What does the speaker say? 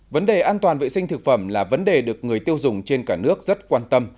vấn đề an toàn vệ sinh thực phẩm là vấn đề được người tiêu dùng trên cả nước rất quan tâm